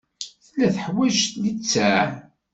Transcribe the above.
Tella teḥwaj littseɛ.